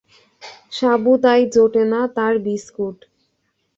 সাবু তাই জোটে না, তার বিস্কুট।